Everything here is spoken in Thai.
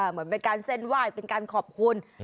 เหมือนเป็นการเส้นไหว้เป็นการขอบคุณ